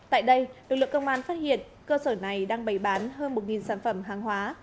tại đây lực lượng công an phát hiện cơ sở này đang bày bán hơn một sản phẩm hàng hóa